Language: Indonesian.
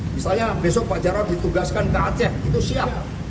misalnya besok pak jarod ditugaskan ke aceh itu siap